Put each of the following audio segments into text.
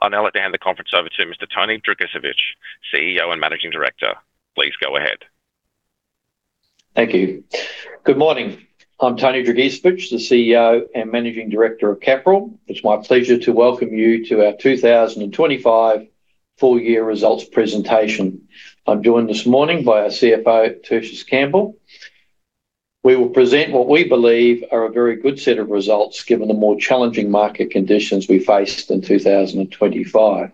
I'll now let to hand the conference over to Mr. Tony Dragicevich, CEO and Managing Director. Please go ahead. Thank you. Good morning. I'm Tony Dragicevich, the CEO and Managing Director of Capral. It's my pleasure to welcome you to our 2025 Full Year Results Presentation. I'm joined this morning by our CFO, Tertius Campbell. We will present what we believe are a very good set of results, given the more challenging market conditions we faced in 2025.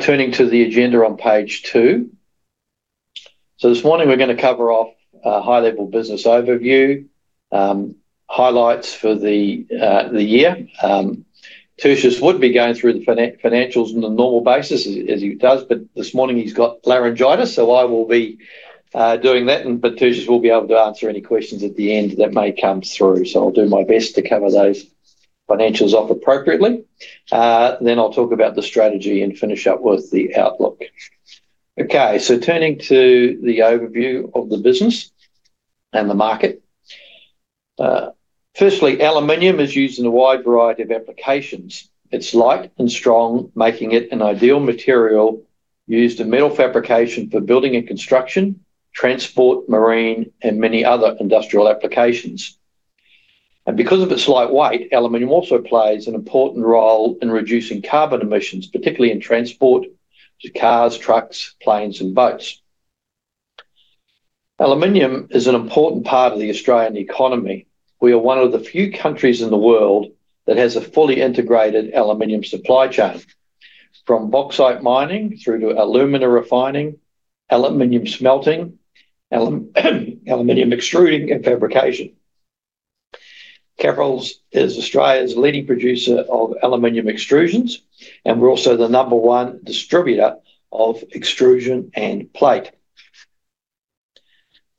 Turning to the agenda on page 2. This morning, we're going to cover off a high-level business overview, highlights for the year. Tertius would be going through the financials in a normal basis, as he does, this morning he's got laryngitis, I will be doing that. Tertius will be able to answer any questions at the end that may come through. I'll do my best to cover those financials off appropriately. I'll talk about the strategy and finish up with the outlook. Turning to the overview of the business and the market. Firstly, aluminium is used in a wide variety of applications. It's light and strong, making it an ideal material used in metal fabrication for building and construction, transport, marine, and many other industrial applications. Because of its light weight, aluminium also plays an important role in reducing carbon emissions, particularly in transport, to cars, trucks, planes, and boats. Aluminium is an important part of the Australian economy. We are one of the few countries in the world that has a fully integrated aluminium supply chain, from bauxite mining through to alumina refining, aluminium smelting, aluminium extruding and fabrication. Capral is Australia's leading producer of aluminium extrusions. We're also the number one distributor of extrusion and plate.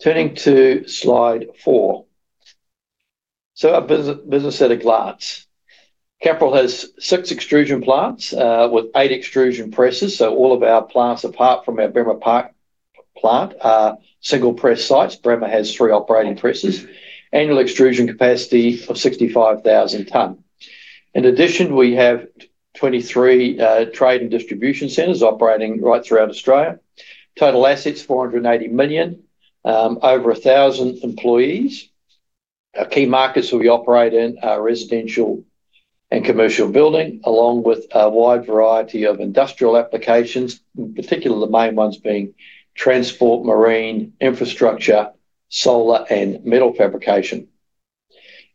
Turning to slide 4. Our business at a glance. Capral has six extrusion plants with eight extrusion presses. All of our plants, apart from our Bremer Park plant, are single press sites. Bremer has three operating presses. Annual extrusion capacity of 65,000 tonnes. In addition, we have 23 trade and distribution centers operating right throughout Australia. Total assets, 480 million. Over 1,000 employees. Our key markets we operate in are residential and commercial building, along with a wide variety of industrial applications, in particular, the main ones being transport, marine, infrastructure, solar, and metal fabrication.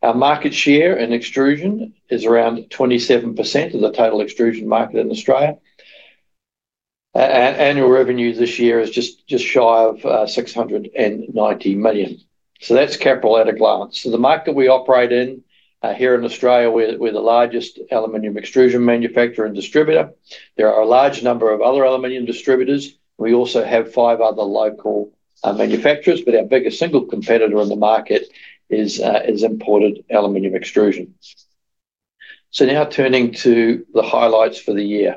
Our market share and extrusion is around 27% of the total extrusion market in Australia. Annual revenue this year is just shy of 690 million. That's Capral at a glance. The market we operate in here in Australia, we're the largest aluminium extrusion manufacturer and distributor. There are a large number of other aluminium distributors. We also have five other local manufacturers, but our biggest single competitor in the market is imported aluminium extrusion. Now turning to the highlights for the year.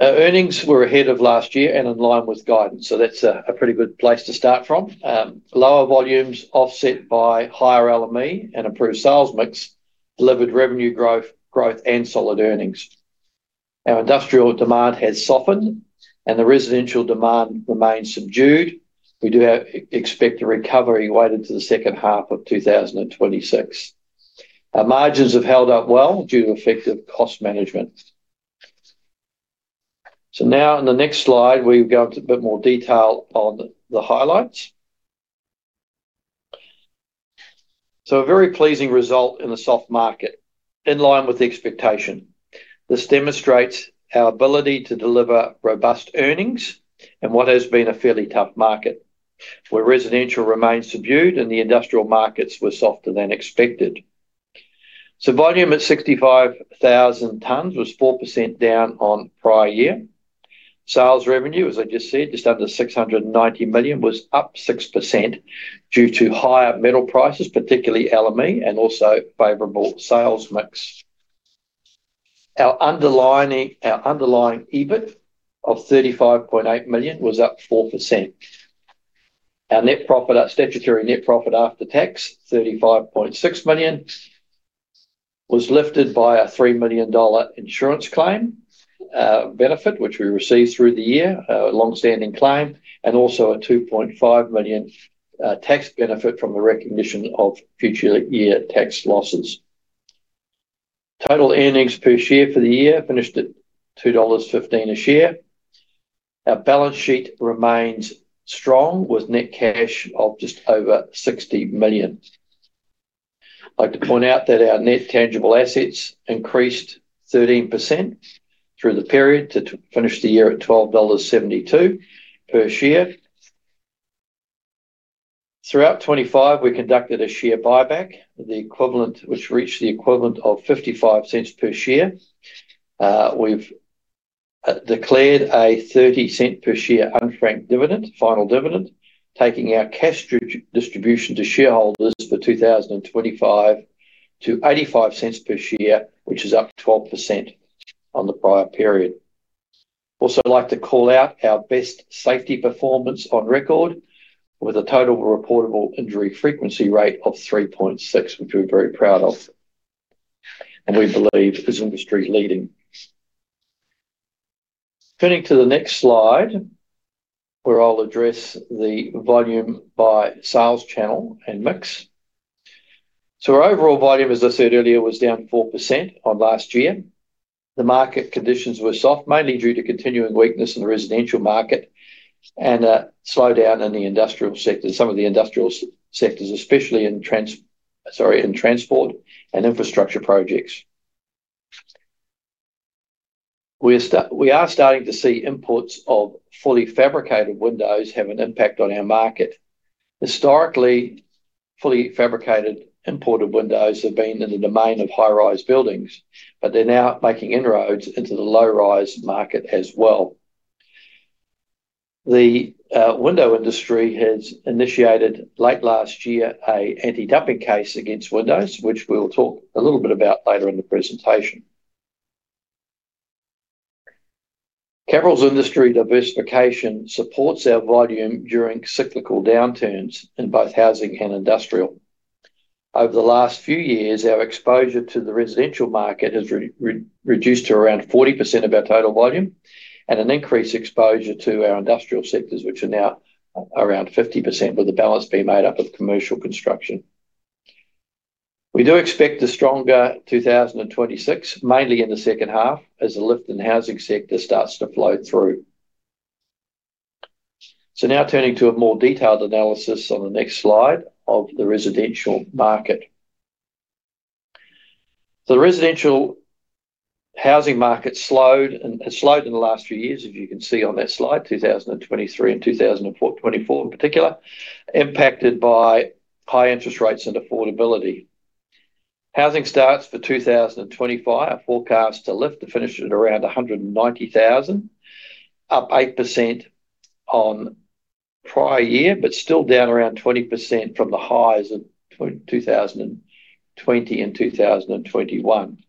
Our earnings were ahead of last year and in line with guidance, so that's a pretty good place to start from. Lower volumes offset by higher LME and improved sales mix delivered revenue growth and solid earnings. Our industrial demand has softened, and the residential demand remains subdued. We do expect a recovery weighted to the second half of 2026. Our margins have held up well due to effective cost management. Now, in the next slide, we go into a bit more detail on the highlights. A very pleasing result in a soft market, in line with the expectation. This demonstrates our ability to deliver robust earnings in what has been a fairly tough market, where residential remains subdued and the industrial markets were softer than expected. Volume at 65,000 tonnes was 4% down on prior year. Sales revenue, as I just said, just under 690 million, was up 6% due to higher metal prices, particularly LME, and also favorable sales mix. Our underlying EBIT of 35.8 million was up 4%. Our net profit, our statutory net profit after tax, 35.6 million, was lifted by a 3 million dollar insurance claim benefit, which we received through the year, a long-standing claim, and also a 2.5 million tax benefit from the recognition of future year tax losses. Total earnings per share for the year finished at 2.15 dollars a share. Our balance sheet remains strong, with net cash of just over 60 million. I'd like to point out that our net tangible assets increased 13% through the period to finish the year at 12.72 dollars per share. Throughout 2025, we conducted a share buyback, which reached the equivalent of 0.55 per share. We've declared a 0.30 per share unfranked dividend, final dividend, taking our cash distribution to shareholders for 2025 to 0.85 per share, which is up 12% on the prior period. I'd like to call out our best safety performance on record, with a total reportable injury frequency rate of 3.6, which we're very proud of, and we believe is industry-leading. Turning to the next slide, where I'll address the volume by sales channel and mix. Our overall volume, as I said earlier, was down 4% on last year. The market conditions were soft, mainly due to continuing weakness in the residential market and a slowdown in the industrial sector, some of the industrial sectors, especially in transport and infrastructure projects. We are starting to see imports of fully fabricated windows have an impact on our market. Historically, fully fabricated imported windows have been in the domain of high-rise buildings, but they're now making inroads into the low-rise market as well. The window industry has initiated, late last year, a Anti-Dumping case against windows, which we'll talk a little bit about later in the presentation. Capral's industry diversification supports our volume during cyclical downturns in both housing and industrial. Over the last few years, our exposure to the residential market has reduced to around 40% of our total volume, and an increased exposure to our industrial sectors, which are now around 50%, with the balance being made up of commercial construction. We do expect a stronger 2026, mainly in the second half, as the lift in the housing sector starts to flow through. Now turning to a more detailed analysis on the next slide of the residential market. The residential housing market has slowed in the last few years, as you can see on that slide, 2023 and 2024 in particular, impacted by high interest rates and affordability. Housing starts for 2025 are forecast to lift to finish at around 190,000, up 8% on prior year, but still down around 20% from the highs of 2020 and 2021.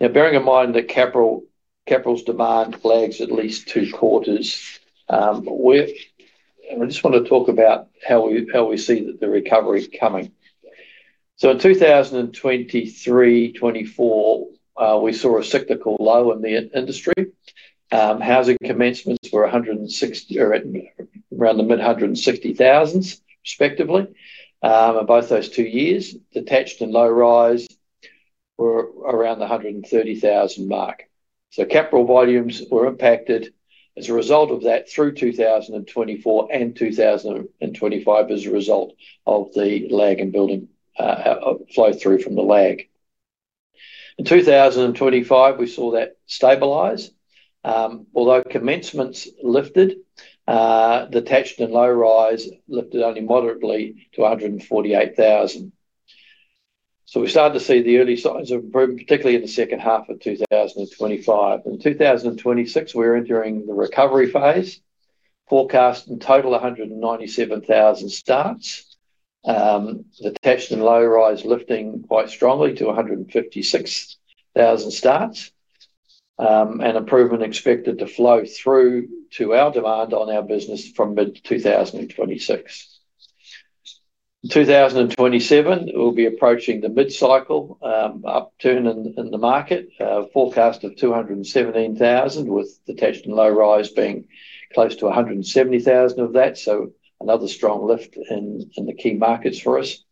Now, bearing in mind that Capral's demand lags at least two quarters with. I just want to talk about how we see the recovery coming. In 2023, 2024, we saw a cyclical low in the in-industry. Housing commencements were 106, or around the mid-160,000s, respectively, in both those two years. Detached and low-rise were around the 130,000 mark. Capral volumes were impacted as a result of that, through 2024 and 2025 as a result of the lag in building flow through from the lag. In 2025, we saw that stabilize. Although commencements lifted, detached and low rise lifted only moderately to 148,000. We started to see the early signs of improvement, particularly in the second half of 2025. In 2026, we're entering the recovery phase, forecast in total, 197,000 starts. Detached and low rise lifting quite strongly to 156,000 starts, and improvement expected to flow through to our demand on our business from mid-2026. In 2027, we'll be approaching the mid-cycle upturn in the market. Forecast of 217,000, with detached and low-rise being close to 170,000 of that. Another strong lift in the key markets for us.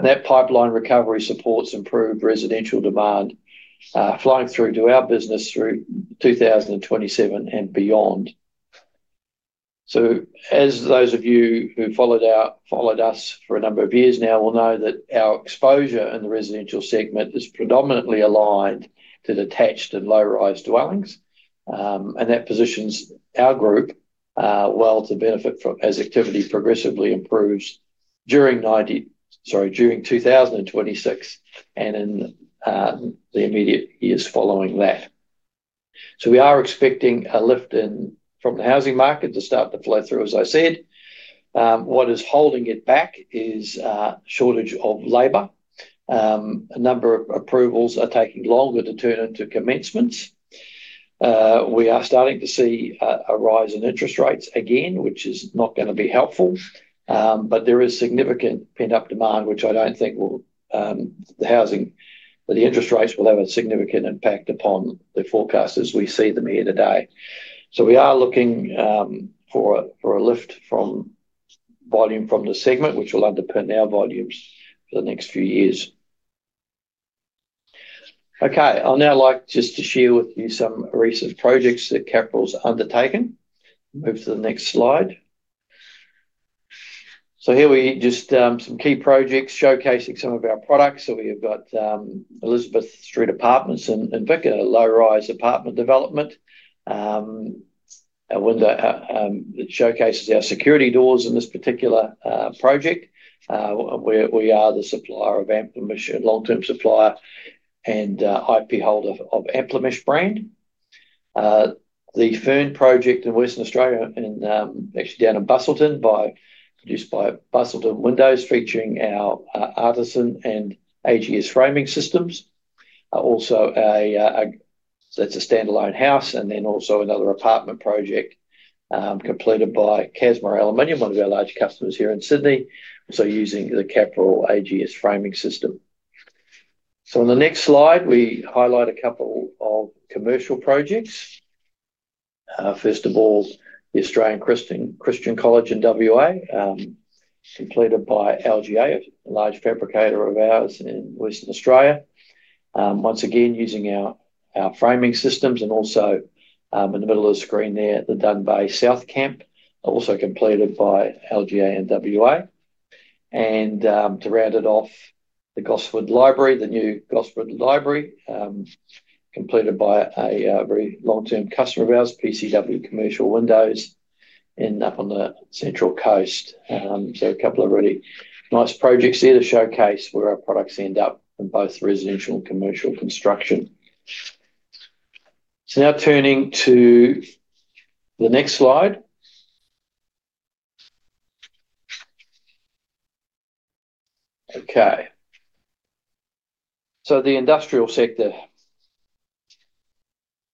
That pipeline recovery supports improved residential demand, flowing through to our business through 2027 and beyond. As those of you who followed us for a number of years now will know that our exposure in the residential segment is predominantly aligned to detached and low-rise dwellings. And that positions our group well to benefit from as activity progressively improves during 2026, and in the immediate years following that. We are expecting a lift from the housing market to start to flow through, as I said. What is holding it back is shortage of labor. A number of approvals are taking longer to turn into commencements. We are starting to see a rise in interest rates again, which is not gonna be helpful. There is significant pent-up demand, which I don't think the interest rates will have a significant impact upon the forecast as we see them here today. We are looking for a lift from volume from the segment, which will underpin our volumes for the next few years. I'd now like just to share with you some recent projects that Capral's undertaken. Move to the next slide. Here we just some key projects showcasing some of our products. We've got Elizabeth Street Apartments in Vicar, a low-rise apartment development. A window that showcases our security doors in this particular project. Where we are the supplier of Amplimesh, long-term supplier and IP holder of Amplimesh brand. The Fern Project in Western Australia and actually down in Busselton, produced by Busselton Aluminium Windows, featuring our Artisan and AGS framing systems. A standalone house, and then also another apartment project completed by Casmar Aluminium, one of our large customers here in Sydney, using the Capral AGS framing system. In the next slide, we highlight a couple of commercial projects. First of all, the Australian Christian College in WA, completed by LGA, a large fabricator of ours in Western Australia. Once again, using our framing systems and also in the middle of the screen there, the Dunn Bay SouthCamp, also completed by LGA WA. To round it off, the Gosford Library, the new Gosford Library, completed by a very long-term customer of ours, PCW Commercial Windows, up on the Central Coast. A couple of really nice projects there to showcase where our products end up in both residential and commercial construction. Now turning to the next slide. Okay. The industrial sector.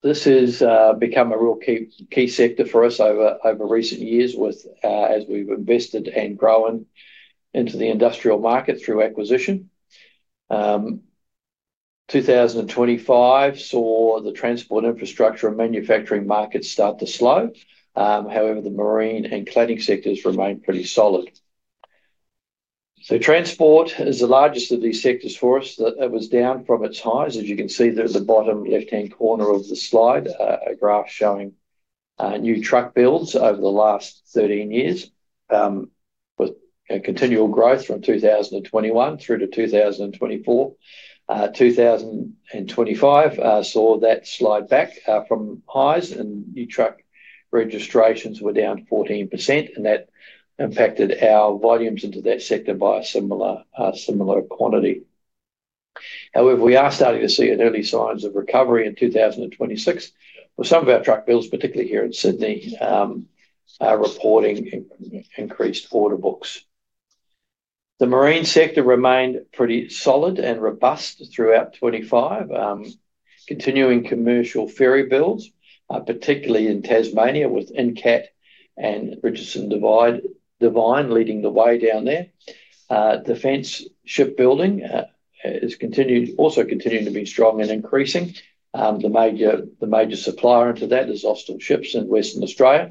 This has become a real key sector for us over recent years with as we've invested and grown into the industrial market through acquisition. 2025 saw the transport, infrastructure, and manufacturing markets start to slow. However, the marine and cladding sectors remained pretty solid. Transport is the largest of these sectors for us. That it was down from its highs. As you can see there at the bottom left-hand corner of the slide, a graph showing new truck builds over the last 13 years. With a continual growth from 2021 through to 2024. 2025 saw that slide back from highs and new truck registrations were down 14%, and that impacted our volumes into that sector by a similar quantity. However, we are starting to see an early signs of recovery in 2026, with some of our truck builds, particularly here in Sydney, are reporting increased order books. The marine sector remained pretty solid and robust throughout 2025. Continuing commercial ferry builds, particularly in Tasmania, with Incat and Richardson Devine leading the way down there. Defense Shipbuilding is also continuing to be strong and increasing. The major supplier into that is Austal Ships in Western Australia.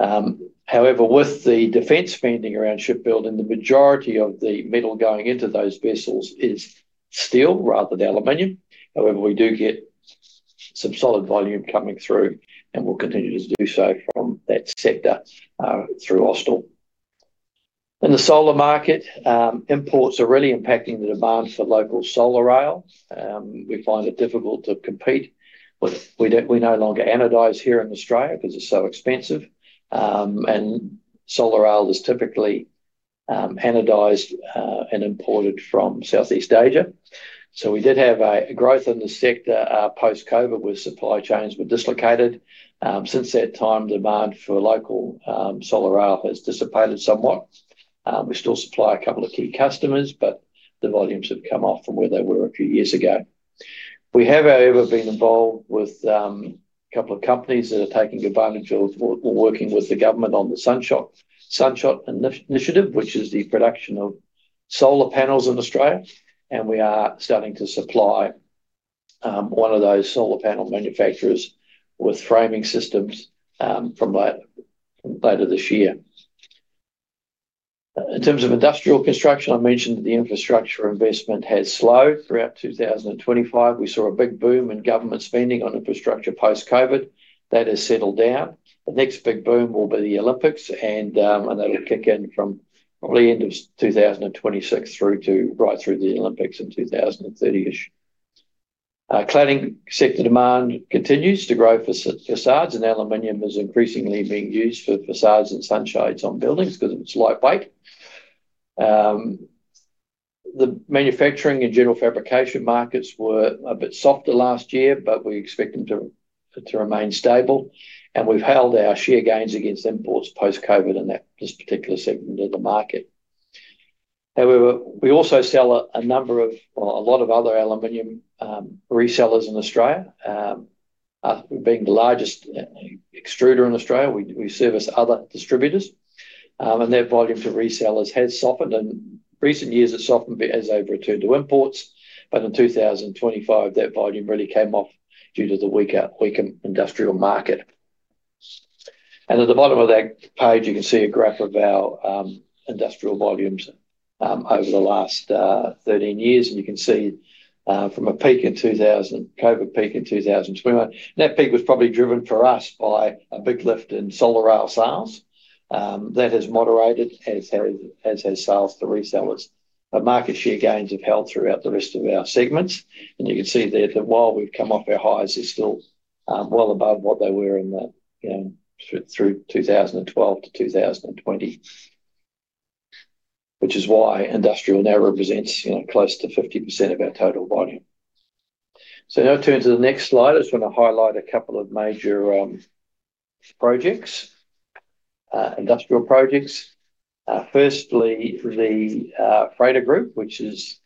However, with the defense spending around shipbuilding, the majority of the metal going into those vessels is steel rather than aluminium. However, we do get some solid volume coming through, and we'll continue to do so from that sector through Austal. In the solar market, imports are really impacting the demand for local solar rail. We find it difficult to compete with. We no longer anodize here in Australia because it's so expensive. And solar rail is typically anodized and imported from Southeast Asia. We did have a growth in the sector post-COVID, where supply chains were dislocated. Since that time, demand for local solar rail has dissipated somewhat. We still supply a couple of key customers, but the volumes have come off from where they were a few years ago. We have, however, been involved with a couple of companies that are taking advantage of, or working with the government on the SunShot Initiative, which is the production of solar panels in Australia. We are starting to supply one of those solar panel manufacturers with framing systems from later this year. In terms of industrial construction, I mentioned that the infrastructure investment has slowed. Throughout 2025, we saw a big boom in government spending on infrastructure post-COVID. That has settled down. The next big boom will be the Olympics, and that'll kick in from probably end of 2026 through to right through the Olympics in 2030-ish. Cladding sector demand continues to grow. Facades and aluminium is increasingly being used for facades and sunshades on buildings because of its lightweight. The manufacturing and general fabrication markets were a bit softer last year, but we expect them to remain stable, and we've held our share gains against imports post-COVID in that, this particular segment of the market. We also sell a number of, or a lot of other aluminium resellers in Australia. Us being the largest extruder in Australia, we service other distributors. That volume for resellers has softened. In recent years, it softened a bit as they've returned to imports, but in 2025, that volume really came off due to the weaker industrial market. At the bottom of that page, you can see a graph of our industrial volumes over the last 13 years. You can see from a COVID peak in 2021. That peak was probably driven for us by a big lift in solar rail sales. That has moderated, as has sales to resellers. Market share gains have held throughout the rest of our segments, and you can see there that while we've come off our highs, they're still well above what they were in the, you know, through 2012 to 2020. Which is why industrial now represents, you know, close to 50% of our total volume. Now turning to the next slide, I just want to highlight a couple of major projects. Industrial projects. Firstly, the Freighter Group, which is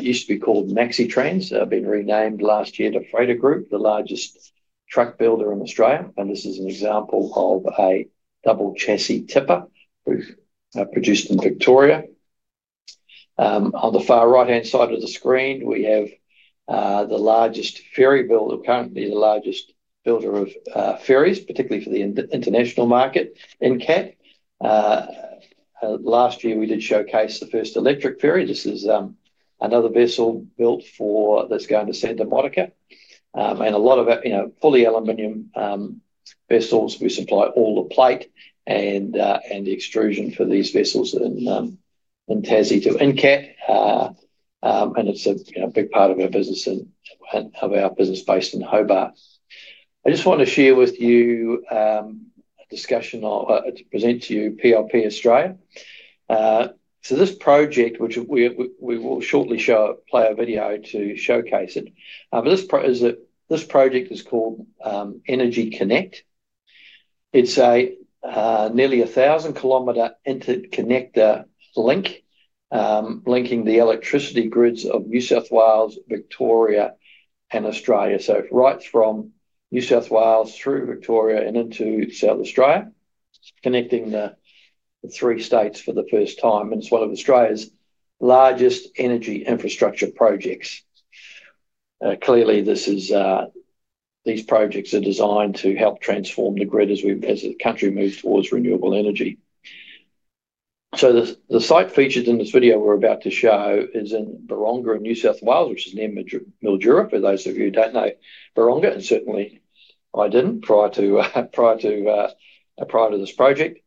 used to be called MaxiTRANS, been renamed last year to Freighter Group, the largest truck builder in Australia, and this is an example of a double-chassis tipper, which produced in Victoria. On the far right-hand side of the screen, we have the largest ferry builder, currently the largest builder of ferries, particularly for the international market, Incat. Last year, we did showcase the first electric ferry. This is another vessel built that's going to Santa Monica. And a lot of, you know, fully aluminium vessels. We supply all the plate and the extrusion for these vessels in Tassie to Incat. And it's a, you know, big part of our business and of our business based in Hobart. I just want to share with you, a discussion or, to present to you PLP Australia. This project, which we will shortly show, play a video to showcase it. This project is called EnergyConnect. It's a nearly 1,000-kilometer interconnector link, linking the electricity grids of New South Wales, Victoria, and Australia. Right from New South Wales through Victoria and into South Australia, connecting the three states for the first time, and it's one of Australia's largest energy infrastructure projects. Clearly, this is, these projects are designed to help transform the grid as the country moves towards renewable energy. The site featured in this video we're about to show is in Barooga, in New South Wales, which is near Mildura, for those of you who don't know Barooga, and certainly I didn't prior to this project.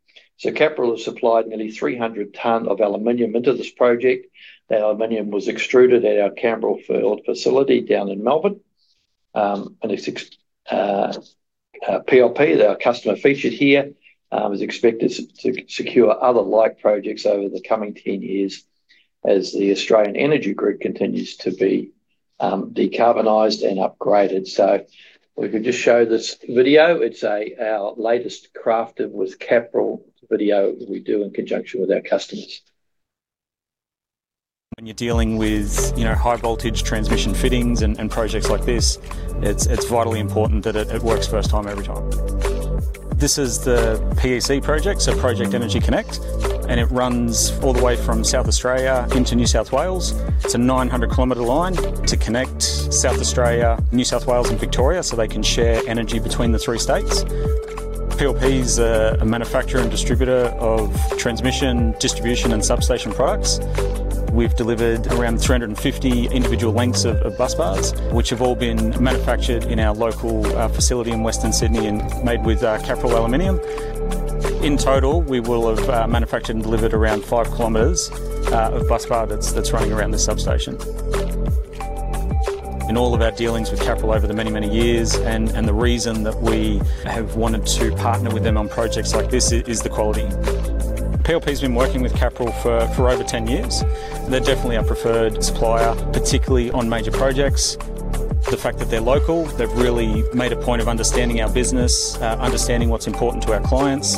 Capral has supplied nearly 300 tonnes of aluminium into this project. That aluminium was extruded at our Campbellfield facility down in Melbourne. PLP, our customer featured here, is expected to secure other like projects over the coming 10 years as the Australian Energy Group continues to be decarbonized and upgraded. We can just show this video. It's our latest "Crafted with Capral" video we do in conjunction with our customers. When you're dealing with, you know, high voltage transmission fittings and projects like this, it's vitally important that it works first time, every time. This is the PEC project, so Project EnergyConnect. It runs all the way from South Australia into New South Wales. It's a 900-kilometer line to connect South Australia, New South Wales, and Victoria. They can share energy between the three states. PLP is a manufacturer and distributor of transmission, distribution, and substation products. We've delivered around 350 individual lengths of busbars, which have all been manufactured in our local facility in Western Sydney and made with Capral aluminium. In total, we will have manufactured and delivered around 5 kilometers of busbar that's running around the substation. In all of our dealings with Capral over the many, many years, and the reason that we have wanted to partner with them on projects like this is the quality. PLP has been working with Capral for over 10 years. They're definitely our preferred supplier, particularly on major projects. The fact that they're local, they've really made a point of understanding our business, understanding what's important to our clients.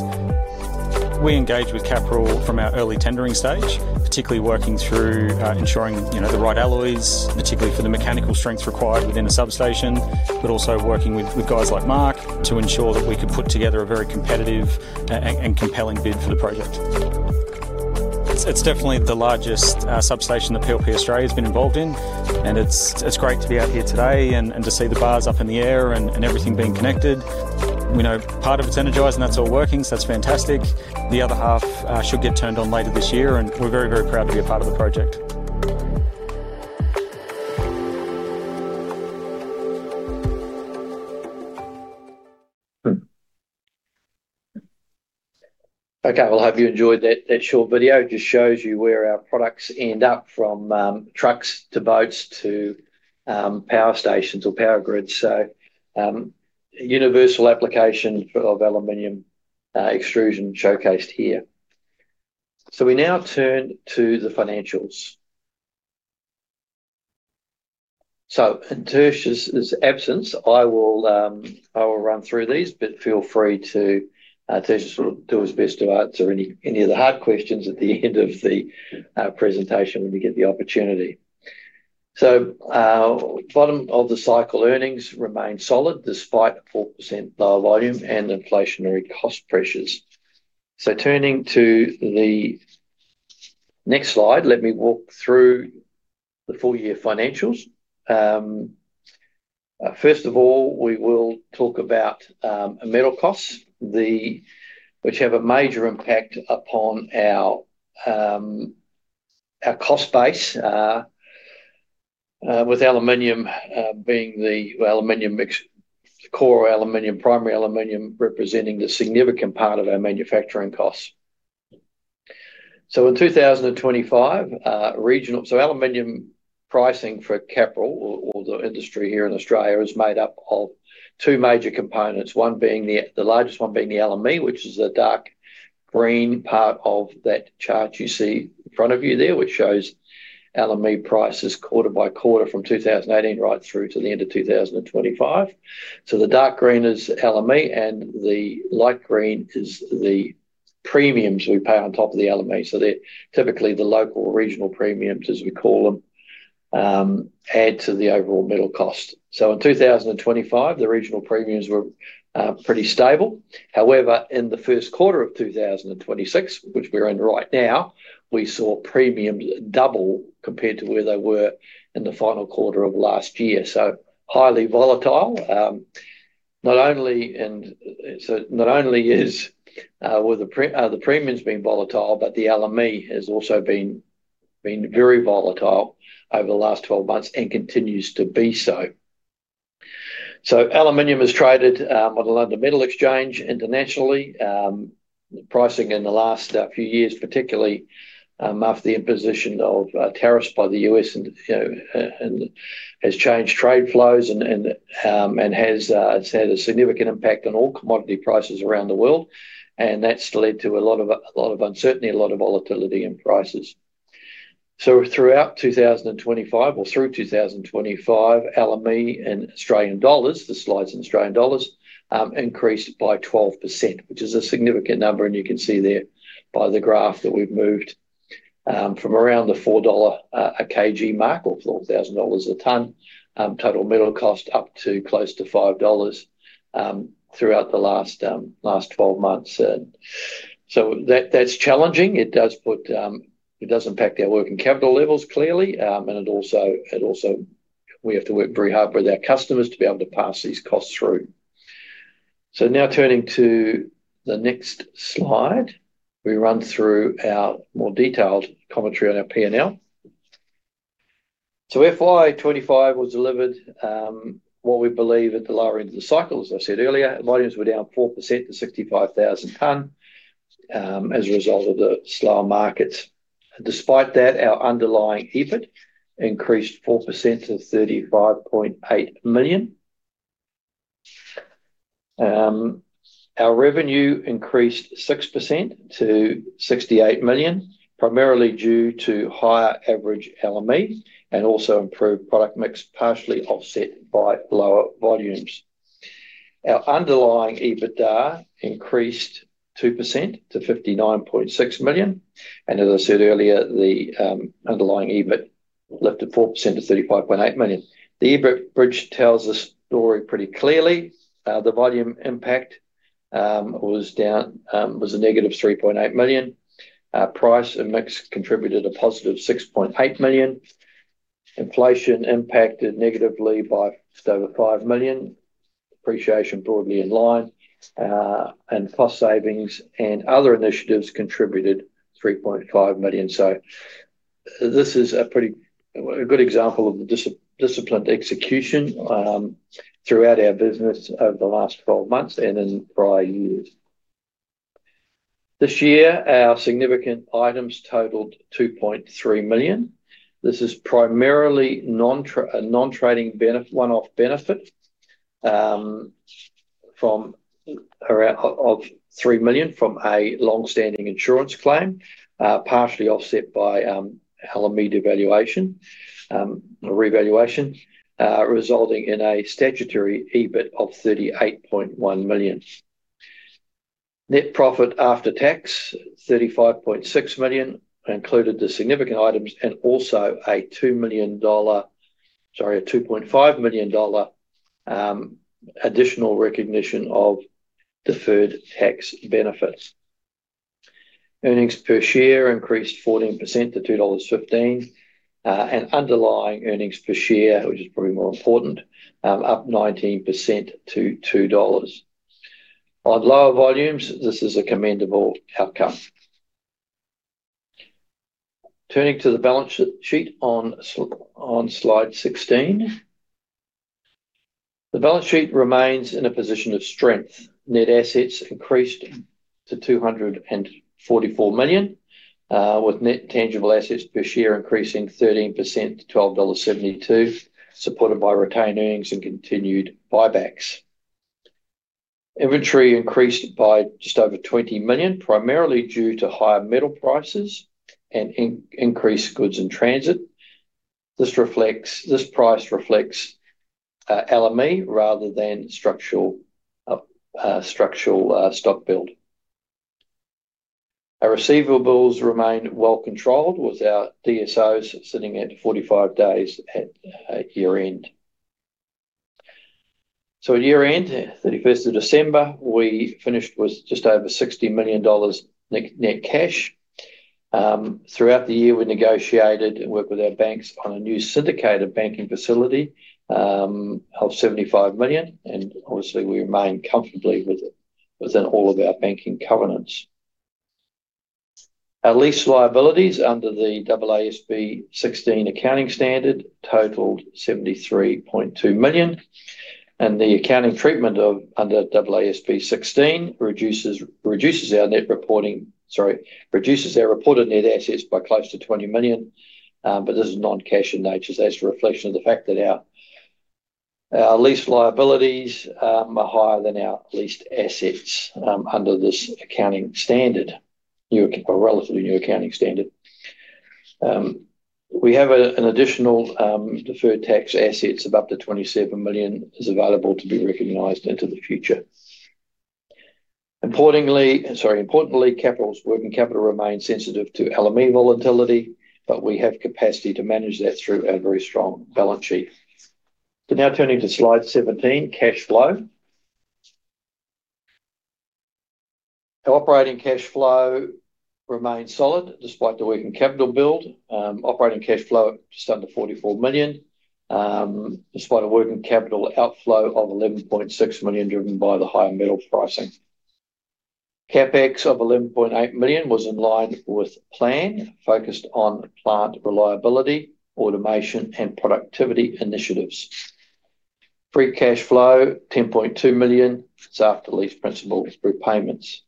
We engage with Capral from our early tendering stage, particularly working through, ensuring, you know, the right alloys, particularly for the mechanical strength required within a substation, but also working with guys like Mark, to ensure that we can put together a very competitive and compelling bid for the project. It's definitely the largest substation that PLP Australia has been involved in, and it's great to be out here today and to see the bars up in the air and everything being connected. We know part of it's energized, and that's all working, so that's fantastic. The other half should get turned on later this year, and we're very proud to be a part of the project. Well, I hope you enjoyed that short video. It just shows you where our products end up, from trucks to boats, to power stations or power grids. Universal application of aluminium extrusion showcased here. We now turn to the financials. In Tersh's absence, I will run through these, but feel free to, Tersh will do his best to answer any of the hard questions at the end of the presentation when we get the opportunity. Bottom of the cycle earnings remain solid, despite 4% lower volume and inflationary cost pressures. Turning to the next slide, let me walk through the full-year financials. First of all, we will talk about metal costs, which have a major impact upon our cost base. With aluminium being the aluminium mix core aluminium, primary aluminium, representing a significant part of our manufacturing costs. In 2025, aluminium pricing for Capral, or the industry here in Australia, is made up of two major components. One being the largest one being the LME, which is the green part of that chart you see in front of you there, which shows LME prices quarter by quarter from 2018 right through to the end of 2025. The dark green is LME, and the light green is the premiums we pay on top of the LME. They're typically the local or regional premiums, as we call them, add to the overall metal cost. In 2025, the regional premiums were pretty stable. However, in the first quarter of 2026, which we're in right now, we saw premiums double compared to where they were in the final quarter of last year. Highly volatile. Not only were the premiums being volatile, but the LME has also been very volatile over the last 12 months and continues to be so. Aluminium is traded on the London Metal Exchange internationally. The pricing in the last few years, particularly, after the imposition of tariffs by the U.S. and, you know, and has changed trade flows and has had a significant impact on all commodity prices around the world. That's led to a lot of uncertainty, a lot of volatility in prices. Throughout 2025 or through 2025, LME in Australian dollars, the slide's in Australian dollars, increased by 12%, which is a significant number. You can see there by the graph that we've moved from around the 4 dollar a kg mark or 4,000 dollars a tonne total metal cost up to close to 5 dollars throughout the last 12 months. That's challenging. It does impact our working capital levels, clearly. It also we have to work very hard with our customers to be able to pass these costs through. Now turning to the next slide, we run through our more detailed commentary on our P&L. FY 2025 was delivered what we believe at the lower end of the cycle. As I said earlier, volumes were down 4% to 65,000 tonnes, as a result of the slower markets. Despite that, our underlying EBIT increased 4% to 35.8 million. Our revenue increased 6% to 68 million, primarily due to higher average LME and also improved product mix, partially offset by lower volumes. Our underlying EBITDA increased 2% to 59.6 million, and as I said earlier, the underlying EBIT lifted 4% to 35.8 million. The EBIT bridge tells the story pretty clearly. The volume impact was down, was a negative 3.8 million. Price and mix contributed a positive 6.8 million. Inflation impacted negatively by just over 5 million. Depreciation broadly in line, and cost savings and other initiatives contributed 3.5 million. This is a good example of the disciplined execution throughout our business over the last 12 months and in prior years. This year, our significant items totaled 2.3 million. This is primarily a non-trading one-off benefit of 3 million from a long-standing insurance claim, partially offset by LME devaluation revaluation, resulting in a statutory EBIT of 38.1 million. Net profit after tax, 35.6 million, included the significant items and also 2.5 million dollar additional recognition of deferred tax benefits. Earnings per share increased 14% to 2.15 dollars. Underlying earnings per share, which is probably more important, up 19% to 2.00 dollars. On lower volumes, this is a commendable outcome. Turning to the balance sheet on slide 16. The balance sheet remains in a position of strength. Net assets increased to 244 million, with net tangible assets per share increasing 13% to AUD 12.72, supported by retained earnings and continued buybacks. Inventory increased by just over 20 million, primarily due to higher metal prices and increased goods in transit. This price reflects LME rather than structural stock build. Our receivables remained well controlled, with our DSOs sitting at 45 days at year-end. At year-end, 31st of December, we finished with just over 60 million dollars net cash. Throughout the year, we negotiated and worked with our banks on a new syndicated banking facility of 75 million, obviously, we remain comfortably within all of our banking covenants. Our lease liabilities under the AASB 16 accounting standard totaled 73.2 million, and the accounting treatment under AASB 16 reduces our reported net assets by close to 20 million. This is non-cash in nature, so that's a reflection of the fact that our lease liabilities are higher than our leased assets under this accounting standard, new, a relatively new accounting standard. We have an additional deferred tax assets of up to 27 million is available to be recognized into the future. Importantly, Capral's working capital remains sensitive to LME volatility, but we have capacity to manage that through our very strong balance sheet. Now turning to slide 17, Cash Flow. Our operating cash flow remains solid despite the working capital build. Operating cash flow just under 44 million despite a working capital outflow of 11.6 million, driven by the higher metal pricing. CapEx of 11.8 million was in line with plan, focused on plant reliability, automation, and productivity initiatives. Free cash flow, 10.2 million, it's after lease principal repayments.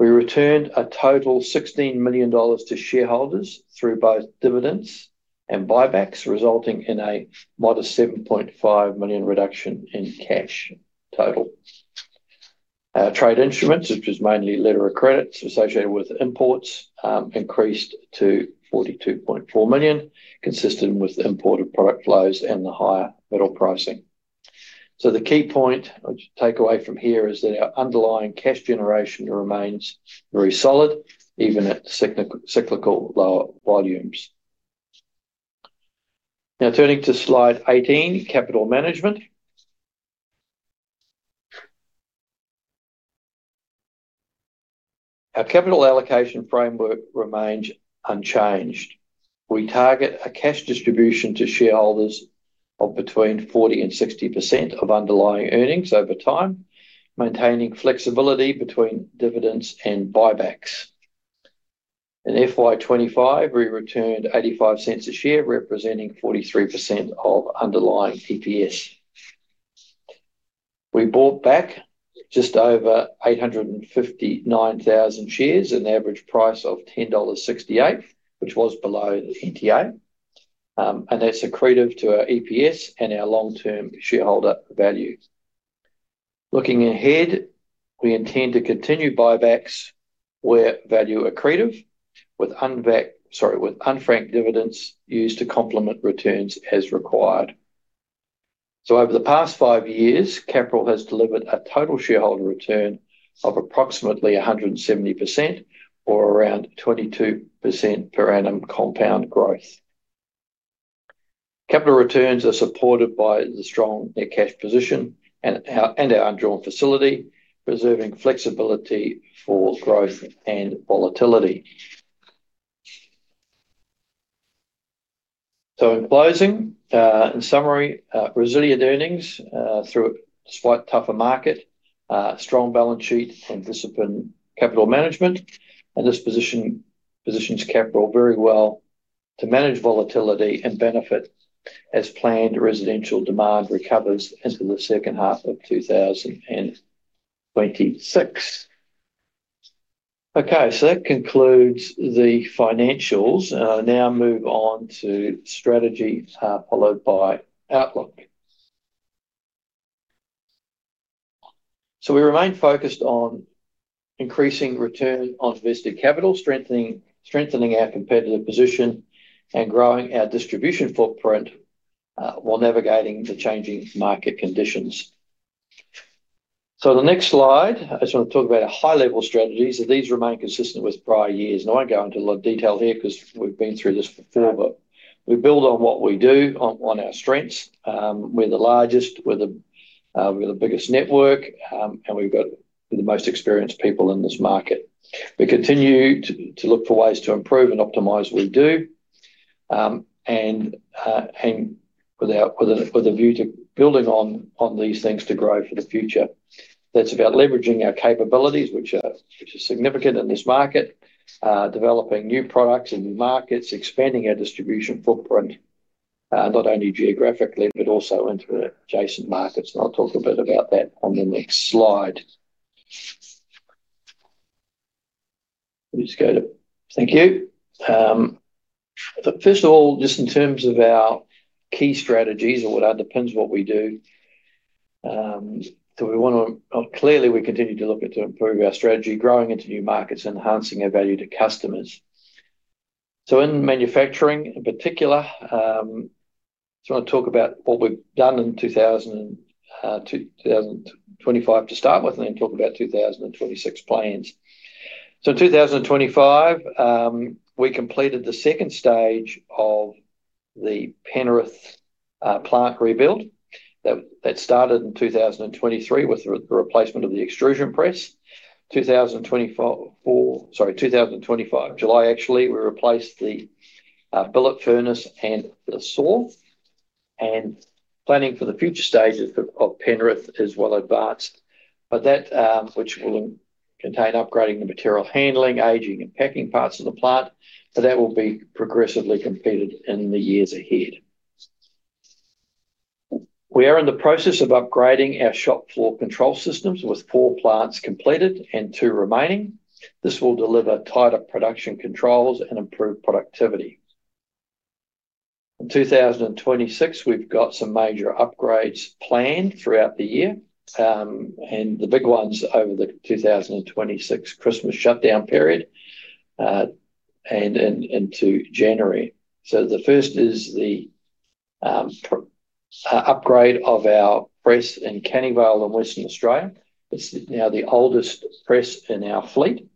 We returned a total 16 million dollars to shareholders through both dividends and buybacks, resulting in a modest 7.5 million reduction in cash total. Our trade instruments, which is mainly letter of credits associated with imports, increased to 42.4 million, consistent with the imported product flows and the higher metal pricing. The key point I want you to take away from here is that our underlying cash generation remains very solid, even at cyclical lower volumes. Turning to slide 18, Capital Management. Our capital allocation framework remains unchanged. We target a cash distribution to shareholders of between 40% and 60% of underlying earnings over time, maintaining flexibility between dividends and buybacks. In FY 2025, we returned 0.85 a share, representing 43% of underlying EPS. We bought back just over 859,000 shares, an average price of 10.68 dollars, which was below the NTA, and that's accretive to our EPS and our long-term shareholder value. Looking ahead, we intend to continue buybacks where value accretive, with unfranked dividends used to complement returns as required. Over the past five years, Capral has delivered a total shareholder return of approximately 170% or around 22% per annum compound growth. Capital returns are supported by the strong net cash position and our undrawn facility, preserving flexibility for growth and volatility. In closing, in summary, resilient earnings through a slight tougher market, strong balance sheet and disciplined capital management, and this position positions Capral very well to manage volatility and benefit as planned residential demand recovers into the second half of 2026. Okay, that concludes the financials. I'll now move on to strategy, followed by outlook. We remain focused on increasing return on invested capital, strengthening our competitive position, and growing our distribution footprint while navigating the changing market conditions. The next slide, I just want to talk about our high-level strategies, and these remain consistent with prior years. I won't go into a lot of detail here 'cause we've been through this before, but we build on what we do on our strengths. We're the largest, we're the biggest network, and we've got the most experienced people in this market. We continue to look for ways to improve and optimize what we do, and with a view to building on these things to grow for the future. That's about leveraging our capabilities, which are significant in this market, developing new products and new markets, expanding our distribution footprint, not only geographically, but also into adjacent markets, and I'll talk a bit about that on the next slide. Please go to. Thank you. First of all, just in terms of our key strategies or what underpins what we do, we want to clearly continue to look at to improve our strategy, growing into new markets, enhancing our value to customers. In manufacturing, in particular, I just want to talk about what we've done in 2025 to start with, and then talk about 2026 plans. In 2025, we completed the second stage of the Penrith plant rebuild. That started in 2023 with the replacement of the extrusion press. 2024, sorry, 2025, July, actually, we replaced the billet furnace and the saw, and planning for the future stages of Penrith is well advanced. That, which will contain upgrading the material handling, aging, and packing parts of the plant, so that will be progressively completed in the years ahead. We are in the process of upgrading our shop floor control systems, with four plants completed and two remaining. This will deliver tighter production controls and improved productivity. In 2026, we've got some major upgrades planned throughout the year, and the big ones over the 2026 Christmas shutdown period, and then into January. The first is the upgrade of our press in Canning Vale in Western Australia. This is now the oldest press in our fleet,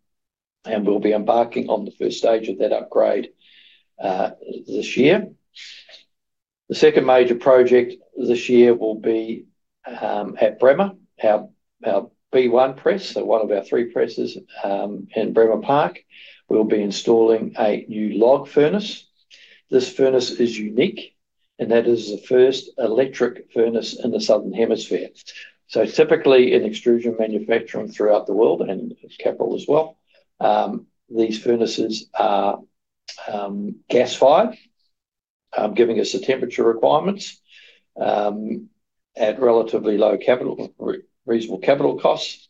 and we'll be embarking on the first stage of that upgrade this year. The second major project this year will be at Bremer, our B1 press, so 1 of our 3 presses in Bremer Park. We'll be installing a new log furnace. This furnace is unique, and that is the first electric furnace in the Southern Hemisphere. Typically, in extrusion manufacturing throughout the world and Capral as well, these furnaces are gas-fired, giving us the temperature requirements at relatively low reasonable capital costs.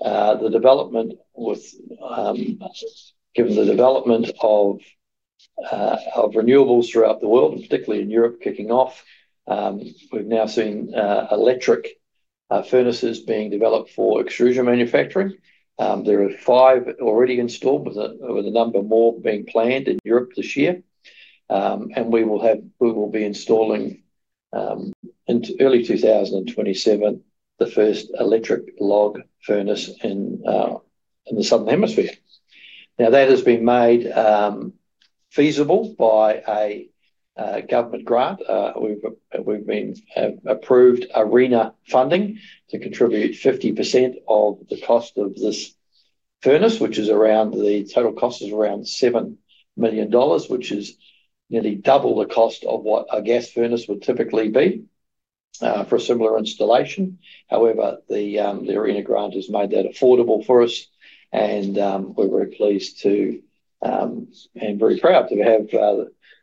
The development with given the development of renewables throughout the world, and particularly in Europe, kicking off, we've now seen electric furnaces being developed for extrusion manufacturing. There are 5 already installed, with a number more being planned in Europe this year. We will be installing in early 2027, the first electric log furnace in the Southern Hemisphere. That has been made feasible by a government grant. We've been approved ARENA funding to contribute 50% of the cost of this furnace, which the total cost is around 7 million dollars, which is nearly double the cost of what a gas furnace would typically be for a similar installation. The ARENA grant has made that affordable for us, we're very pleased to and very proud to have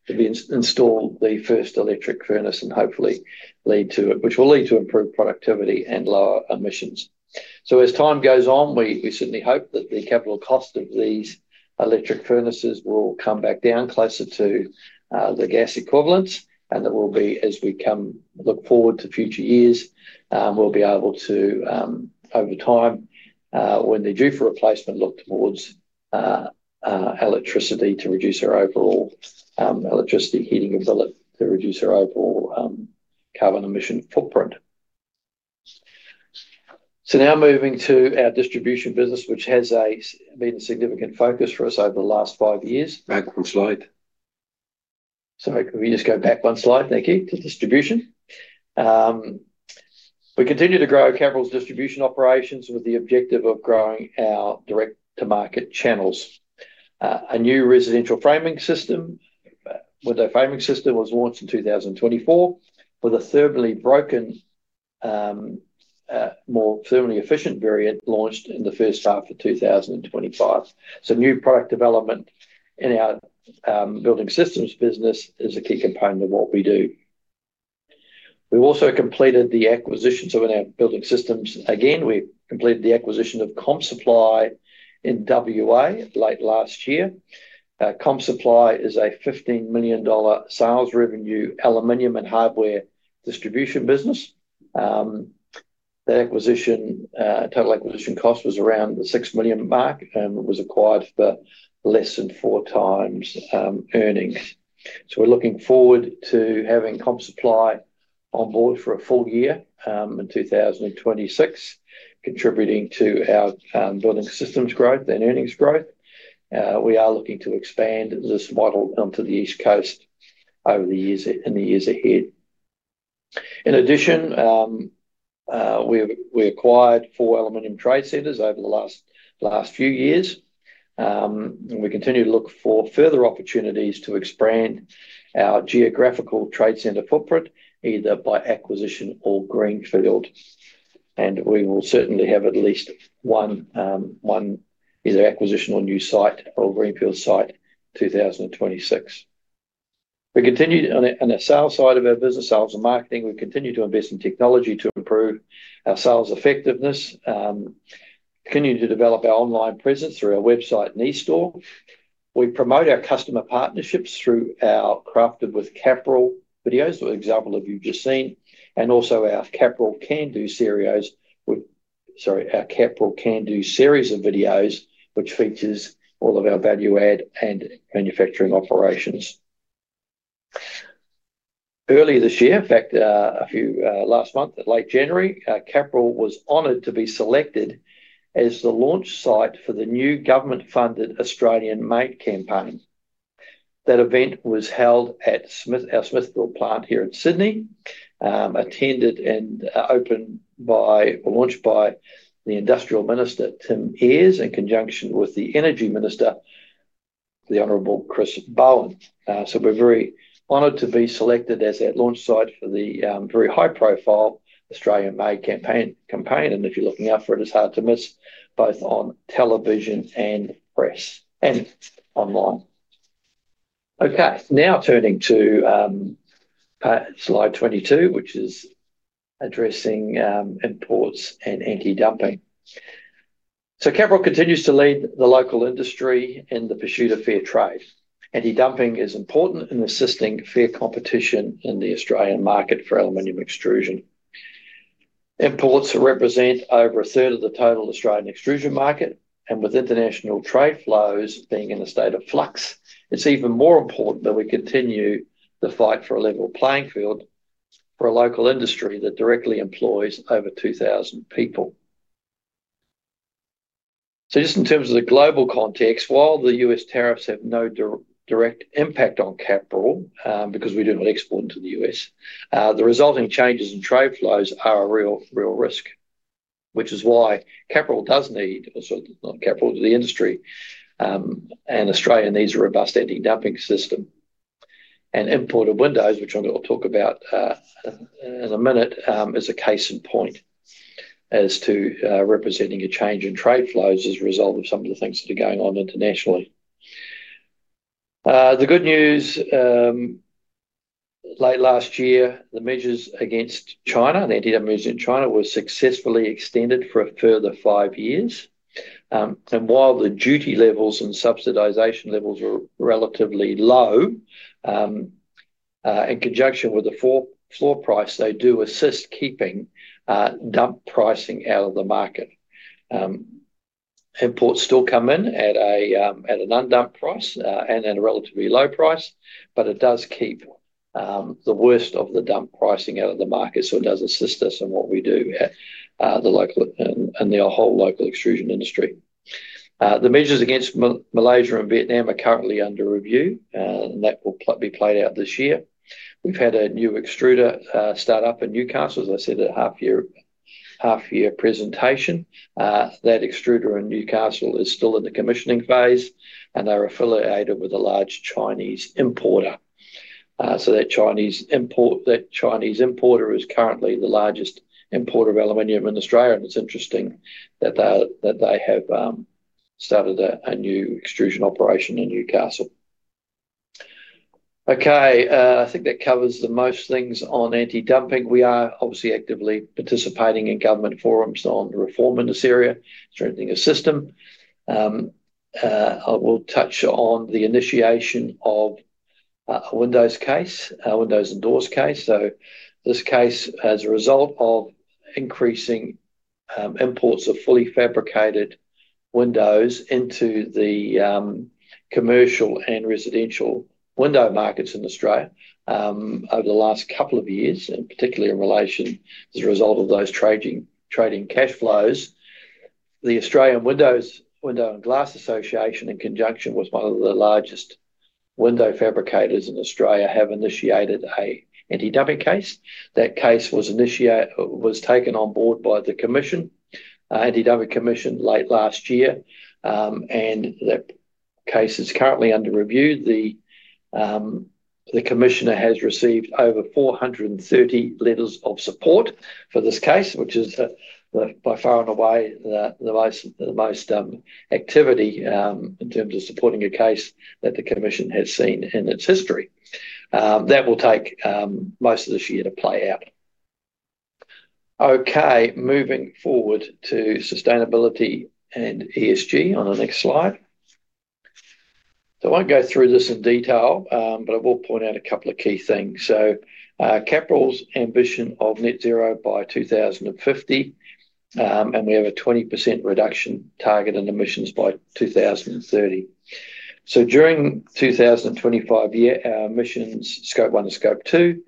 to be install the first electric furnace and hopefully lead to it, which will lead to improved productivity and lower emissions. As time goes on, we certainly hope that the capital cost of these electric furnaces will come back down closer to the gas equivalents, and that we'll be, as we look forward to future years, we'll be able to over time, when they're due for replacement, look towards electricity to reduce our overall electricity heating ability to reduce our overall carbon emission footprint. Now moving to our distribution business, which has been a significant focus for us over the last five years. Back one slide. Sorry, can we just go back one slide, Nicky, to distribution? We continue to grow Capral's distribution operations with the objective of growing our direct-to-market channels. A new residential framing system, window framing system, was launched in 2024, with a thermally broken, more thermally efficient variant launched in the first half of 2025. New product development in our building systems business is a key component of what we do. We've also completed the acquisitions of our building systems. Again, we completed the acquisition of ComSupply in WA late last year. ComSupply is an 15 million dollar sales revenue, aluminium and hardware distribution business. The acquisition total acquisition cost was around the 6 million mark, and it was acquired for less than 4 times earnings. We're looking forward to having ComSupply on board for a full year in 2026, contributing to our building systems growth and earnings growth. We are looking to expand this model onto the East Coast over the years, in the years ahead. In addition, we acquired four aluminium trade centers over the last few years. We continue to look for further opportunities to expand our geographical trade center footprint, either by acquisition or greenfield. We will certainly have at least one either acquisition or new site or greenfield site, 2026. We continued on the sales side of our business, sales and marketing. We continued to invest in technology to improve our sales effectiveness, continued to develop our online presence through our website and e-store. We promote our customer partnerships through our Crafted with Capral videos, for example, that you've just seen, and also our Capral Can-Do series, Sorry, our Capral Can-Do series of videos, which features all of our value add and manufacturing operations. Earlier this year, in fact, a few, last month, late January, Capral was honored to be selected as the launch site for the new government-funded Australian Made campaign. That event was held at our Smithfield plant here in Sydney, attended and opened by, or launched by the Industrial Minister, Tim Ayres, in conjunction with the Energy Minister, the Honorable Chris Bowen. So we're very honored to be selected as that launch site for the very high-profile Australian Made campaign. If you're looking out for it's hard to miss, both on television and press, and online. Okay, now turning to slide 22, which is addressing imports and anti-dumping. Capral continues to lead the local industry in the pursuit of fair trade. Anti-dumping is important in assisting fair competition in the Australian market for aluminium extrusion. Imports represent over a third of the total Australian extrusion market, and with international trade flows being in a state of flux, it's even more important that we continue the fight for a level playing field for a local industry that directly employs over 2,000 people. Just in terms of the global context, while the U.S. tariffs have no direct impact on Capral, because we do not export into the U.S., the resulting changes in trade flows are a real risk, which is why Capral does need, so not Capral, the industry, and Australia needs a robust anti-dumping system. Importer windows, which I'm going to talk about in a minute, is a case in point as to representing a change in trade flows as a result of some of the things that are going on internationally. The good news, late last year, the measures against China, the anti-dumping measures in China, were successfully extended for a further 5 years. While the duty levels and subsidization levels are relatively low, in conjunction with the floor price, they do assist keeping dump pricing out of the market. Imports still come in at an undumped price and at a relatively low price, it does keep the worst of the dump pricing out of the market, it does assist us in what we do at the local and the whole local extrusion industry. The measures against Malaysia and Vietnam are currently under review, that will be played out this year. We've had a new extruder start up in Newcastle, as I said, at half year presentation. That extruder in Newcastle is still in the commissioning phase, they're affiliated with a large Chinese importer. That Chinese importer is currently the largest importer of aluminium in Australia, it's interesting that they have started a new extrusion operation in Newcastle. Okay, I think that covers the most things on Anti-Dumping. We are obviously actively participating in government forums on reform in this area, strengthening the system. I will touch on the initiation of a windows case, a windows and doors case. This case, as a result of increasing imports of fully fabricated windows into the commercial and residential window markets in Australia, over the last couple of years, and particularly in relation to the result of those trading cash flows, the Australian Glass and Window Association, in conjunction with one of the largest window fabricators in Australia, have initiated an Anti-Dumping case. That case was taken on board by the Commission, Anti-Dumping Commission, late last year, and the case is currently under review. The commissioner has received over 430 letters of support for this case, which is by far and away, the most activity in terms of supporting a case that the commission has seen in its history. That will take most of this year to play out. Okay, moving forward to sustainability and ESG on the next slide. I won't go through this in detail, but I will point out a couple of key things. Capral's ambition of net zero by 2050, and we have a 20% reduction target in emissions by 2030. During 2025 year, our emissions, Scope 1 and Scope 2,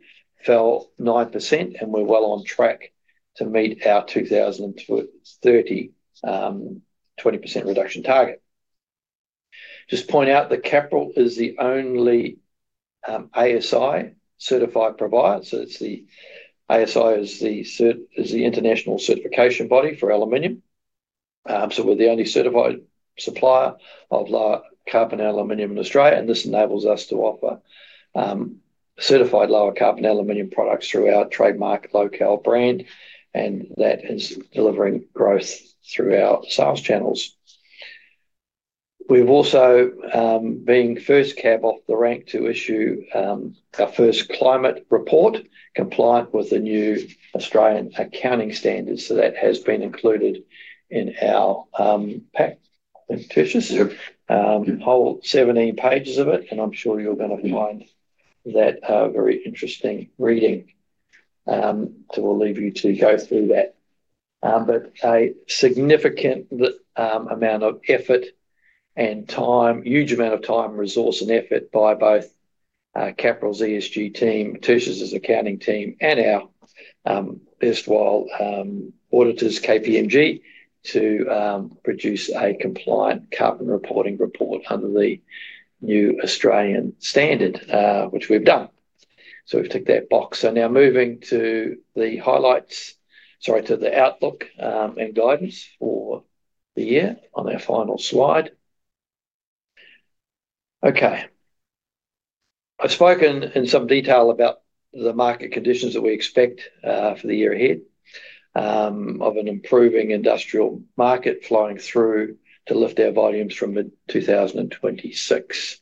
fell 9%. We're well on track to meet our 2030, 20% reduction target. Just point out that Capral is the only ASI-certified provider, so ASI is the international certification body for aluminium. We're the only certified supplier of low carbon aluminium in Australia, and this enables us to offer certified lower carbon aluminium products through our trademark LocAl brand, and that is delivering growth through our sales channels. We've also being first cab off the rank to issue our first climate report, compliant with the new Australian Accounting Standards. That has been included in our pack. Matias? Yep. Whole 17 pages of it, I'm sure you're gonna find that very interesting reading. We'll leave you to go through that. A significant amount of effort and time, huge amount of time, resource, and effort by both Capral's ESG team, Matias's accounting team, and our erstwhile auditors, KPMG, to produce a compliant carbon reporting report under the new Australian standard, which we've done. We've ticked that box. Now moving to the outlook and guidance for the year on our final slide. Okay. I've spoken in some detail about the market conditions that we expect for the year ahead, of an improving industrial market flowing through to lift our volumes from mid 2026.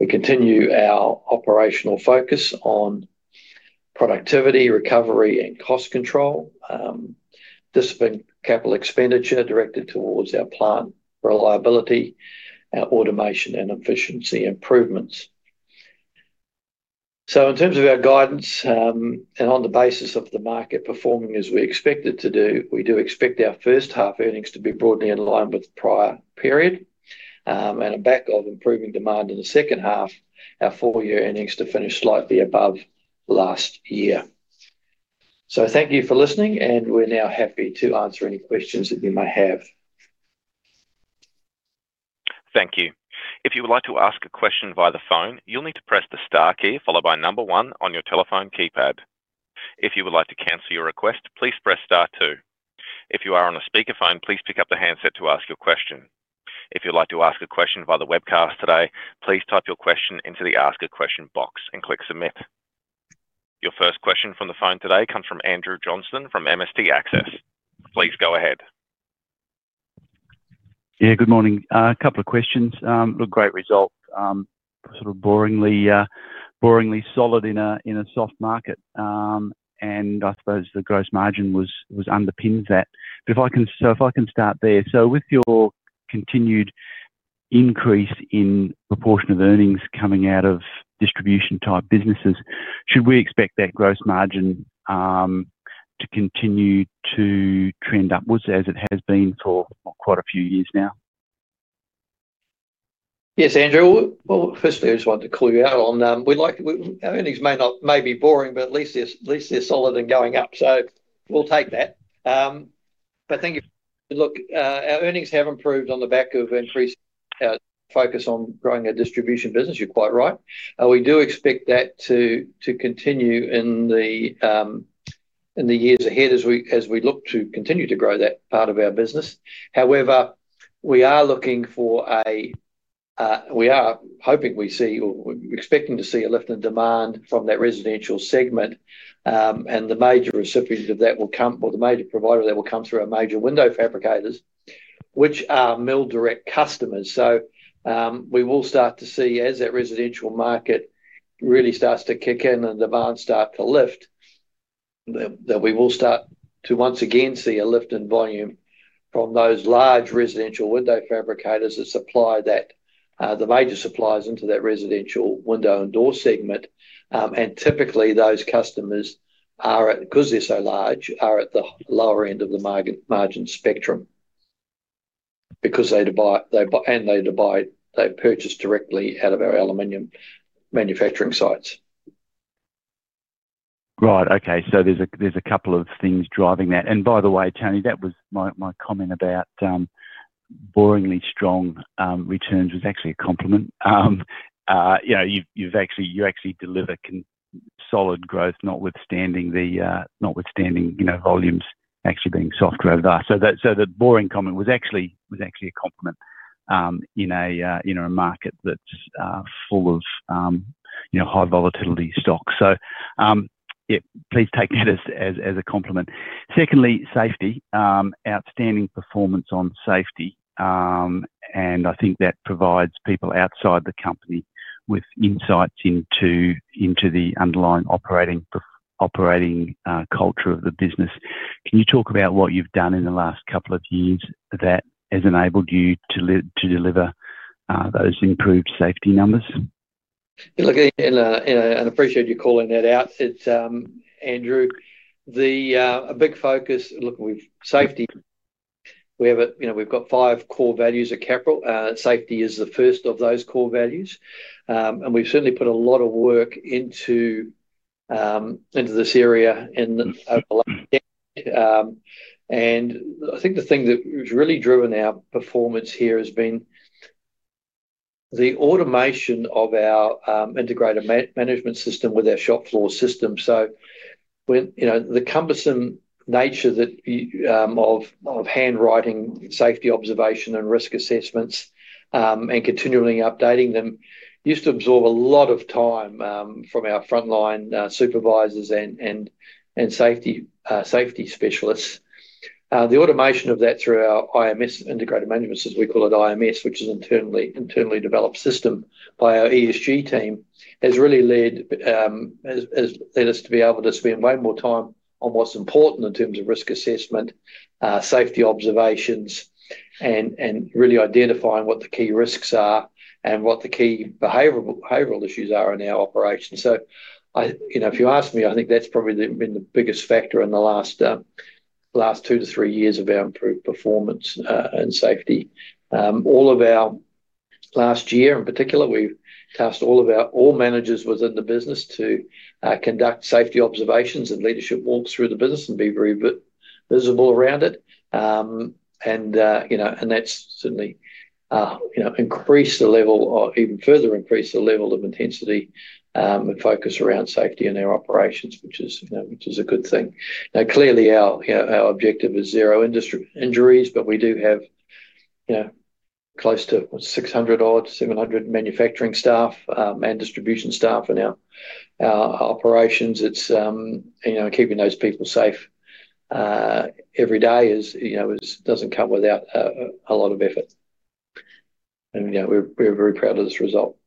We continue our operational focus on productivity, recovery, and cost control. Disciplined capital expenditure directed towards our plant reliability, our automation, and efficiency improvements. In terms of our guidance, on the basis of the market performing as we expect it to do, we do expect our first half earnings to be broadly in line with the prior period. On the back of improving demand in the second half, our full-year earnings to finish slightly above last year. Thank you for listening, and we're now happy to answer any questions that you may have. Thank you. If you would like to ask a question via the phone, you'll need to press the star key followed by one on your telephone keypad. If you would like to cancel your request, please press star two. If you are on a speakerphone, please pick up the handset to ask your question. If you'd like to ask a question via the webcast today, please type your question into the Ask a Question box and click Submit. Your first question from the phone today comes from Andrew Johnston from MST Access. Please go ahead. Yeah, good morning. A couple of questions. Look, great result. Sort of boringly solid in a soft market. I suppose the gross margin was underpinned that. If I can start there. With your continued increase in proportion of earnings coming out of distribution-type businesses, should we expect that gross margin to continue to trend upwards as it has been for quite a few years now? Yes, Andrew. Well, firstly, I just wanted to call you out on. Our earnings may be boring, but at least they're solid and going up, we'll take that. Thank you. Look, our earnings have improved on the back of increased focus on growing our distribution business. You're quite right. We do expect that to continue in the years ahead as we look to continue to grow that part of our business. However, we're expecting to see a lift in demand from that residential segment. The major provider of that will come through our major window fabricators, which are mill direct customers. We will start to see, as that residential market really starts to kick in and demand start to lift, that we will start to once again see a lift in volume from those large residential window fabricators that supply the major suppliers into that residential window and door segment. Typically, those customers are, because they're so large, are at the lower end of the margin spectrum. They buy, they purchase directly out of our aluminium manufacturing sites. Right. Okay. There's a couple of things driving that. By the way, Tony, that was my comment about boringly strong returns was actually a compliment. You know, you actually deliver solid growth, notwithstanding the notwithstanding, you know, volumes actually being soft over. The boring comment was actually a compliment in a market that's full of, you know, high volatility stocks. Yeah, please take that as a compliment. Secondly, safety. Outstanding performance on safety. I think that provides people outside the company with insights into the underlying operating culture of the business. Can you talk about what you've done in the last couple of years that has enabled you to deliver those improved safety numbers? I appreciate you calling that out. It's Andrew, with safety, we have a, you know, we've got 5 core values at Capral. Safety is the 1st of those core values. We've certainly put a lot of work into this area. I think the thing that has really driven our performance here has been the automation of our Integrated Management System with our shop floor system. When, you know, the cumbersome nature that of handwriting safety observation and risk assessments and continually updating them, used to absorb a lot of time from our frontline supervisors and safety specialists. The automation of that through our IMS, Integrated Management System, we call it IMS, which is an internally developed system by our ESG team, has really led us to be able to spend way more time on what's important in terms of risk assessment, safety observations, and really identifying what the key risks are and what the key behavioral issues are in our operations. I, you know, if you ask me, I think that's probably been the biggest factor in the last 2-3 years of our improved performance and safety. Last year, in particular, we've tasked all of our managers within the business to conduct safety observations and leadership walks through the business and be very visible around it. You know, and that's certainly, you know, increased the level of, even further increased the level of intensity, and focus around safety in our operations, which is, you know, which is a good thing. Clearly, our objective is zero industry injuries, but we do have, you know, close to 600 odd, 700 manufacturing staff, and distribution staff in our operations. It's, you know, keeping those people safe, every day is, doesn't come without a lot of effort. You know, we're very proud of this result.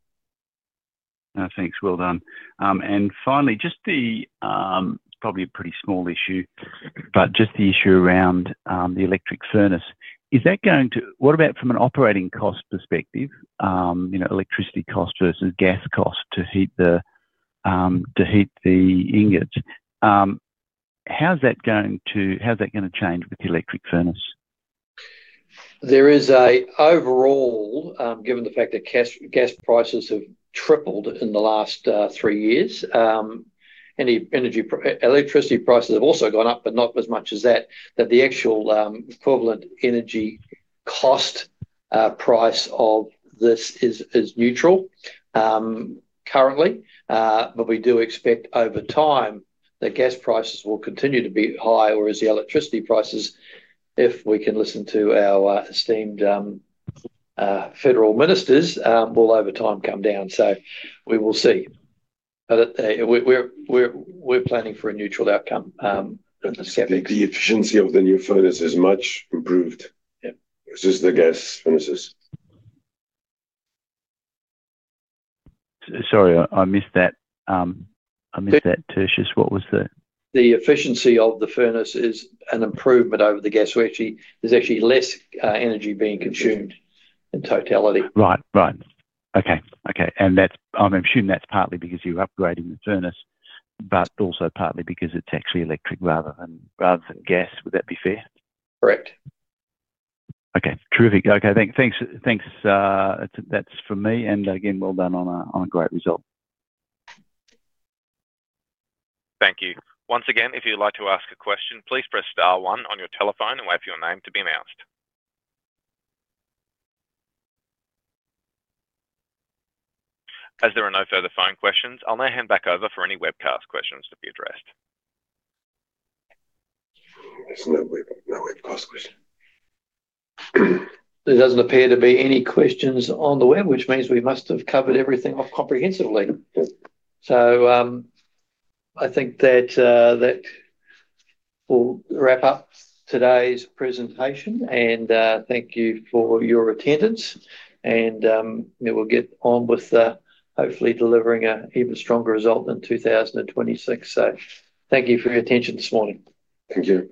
Thanks. Well done. Finally, just the, probably a pretty small issue, but just the issue around the electric furnace. What about from an operating cost perspective? You know, electricity cost versus gas cost to heat the, to heat the ingots. How's that going to, how's that going to change with the electric furnace? There is an overall, given the fact that gas prices have tripled in the last 3 years, Electricity prices have also gone up, but not as much as that the actual equivalent energy cost price of this is neutral currently. We do expect over time that gas prices will continue to be high or as the electricity prices, if we can listen to our esteemed federal ministers, will over time come down. We will see. We're planning for a neutral outcome. The efficiency of the new furnace is much improved versus the gas furnaces. Sorry, I missed that. I missed that, Tertius. What was the? The efficiency of the furnace is an improvement over the gas. Actually, there's actually less energy being consumed in totality. Right. Right. Okay, okay. I'm assuming that's partly because you're upgrading the furnace, but also partly because it's actually electric rather than, rather than gas. Would that be fair? Correct. Okay, terrific. Okay, thanks, that's for me, and again, well done on a great result. Thank you. Once again, if you'd like to ask a question, please press star one on your telephone and wait for your name to be announced. As there are no further phone questions, I'll now hand back over for any webcast questions to be addressed. There's no web, no webcast question. There doesn't appear to be any questions on the web, which means we must have covered everything off comprehensively. Yes. I think that will wrap up today's presentation, and thank you for your attendance. We will get on with hopefully delivering a even stronger result in 2026. Thank you for your attention this morning. Thank you.